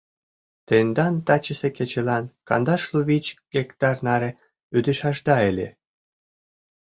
— Тендан тачысе кечылан кандашлу вич гектар наре ӱдышашда ыле.